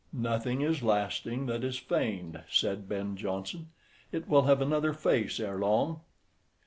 "Nothing is lasting that is feigned," said Ben Jonson; "it will have another face ere long."